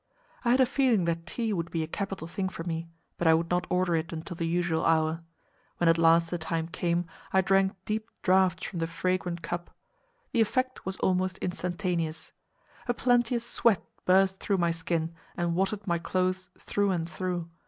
I had a feeling that tea would be a capital thing for me, but I would not order it until the usual hour. When at last the time came, I drank deep draughts from the fragrant cup. The effect was almost instantaneous. A plenteous sweat burst through my skin, and watered my clothes through and through.